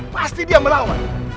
pasti dia melawan